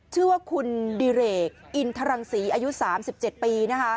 ชื่อว่าคุณดิเรกอินทรังศรีอายุ๓๗ปี